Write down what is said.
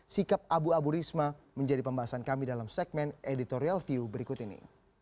sikap abu abu risma menjadi pembahasan kami dalam segmen editorial view berikut ini